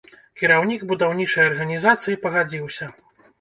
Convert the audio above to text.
Кіраўнік будаўнічай арганізацыі пагадзіўся.